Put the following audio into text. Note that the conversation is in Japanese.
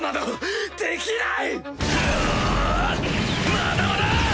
まだまだ！ク！